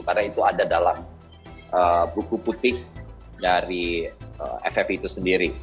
karena itu ada dalam buku putih dari ff itu sendiri